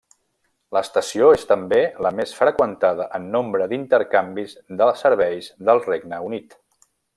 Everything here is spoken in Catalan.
L'estació és també la més freqüentada en nombre d'intercanvis de serveis del Regne Unit.